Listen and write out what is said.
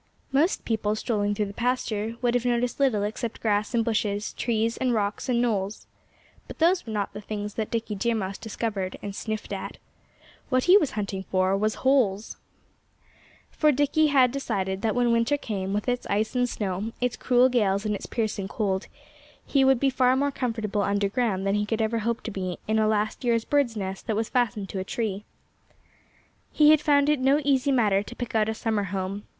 Most people, strolling through the pasture, would have noticed little except grass and bushes, trees and rocks and knolls. But those were not the things that Dickie Deer Mouse discovered, and sniffed at. What he was hunting for was holes. For Dickie had decided that when winter came, with its ice and snow, its cruel gales and its piercing cold, he would be far more comfortable underground than he could ever hope to be in a last year's bird's nest that was fastened to a tree. He had found it no easy matter to pick out a summer home.